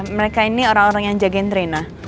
mereka ini orang orang yang jagain rena